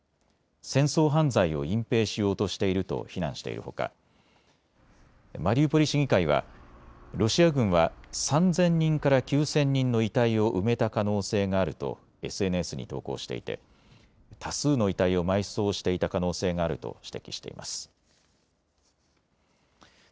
戦争犯罪を隠蔽しようとしていると非難しているほかマリウポリ市議会はロシア軍は３０００人から９０００人の遺体を埋めた可能性があるとＳＮＳに投稿していて多数の遺体を埋葬していた可能性があると指摘しています。